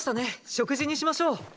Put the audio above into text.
食事にしましょう。